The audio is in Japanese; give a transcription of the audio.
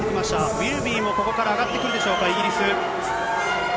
ウィルビーもここから上がってくるでしょうか、イギリス。